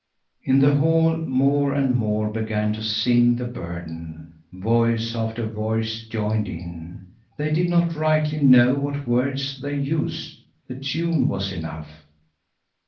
In the hall more and more began to sing the burden. Voice after voice joined in. They did not rightly know what words they used. The tune was enough.